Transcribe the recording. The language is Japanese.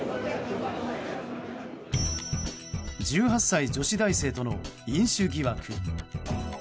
１８歳女子大生との飲酒疑惑。